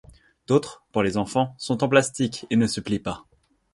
D'autres, pour les enfants, sont en plastique et ne se plient pas.